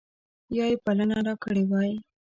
یا یې بلنه راکړې وای.